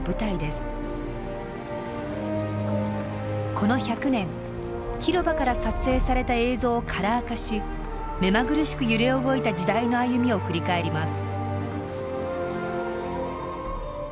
この１００年広場から撮影された映像をカラー化し目まぐるしく揺れ動いた時代の歩みを振り返ります。